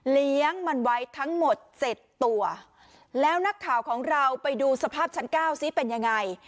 เลี้ยงมันไว้ทั้งหมดเจ็ดตัวแล้วนักข่าวของเราไปดูสภาพชั้นเก้าซิเป็นยังไง